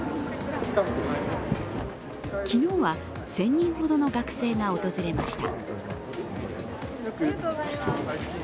昨日は１０００人ほどの学生が訪れました。